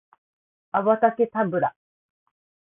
アバタケタブラ